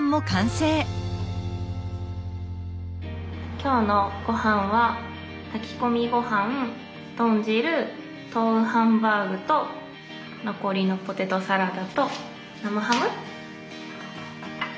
今日のごはんは炊き込みごはん豚汁豆腐ハンバーグと残りのポテトサラダと生ハム。